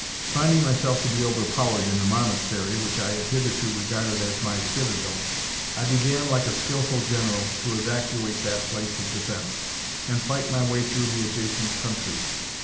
Finding myself like to be overpowered in the Monastery, which I had hitherto regarded as my citadel, I began, like a skilful general, to evacuate that place of defence, and fight my way through the adjacent country.